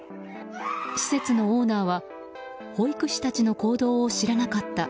施設のオーナーは保育士たちの行動を知らなかった。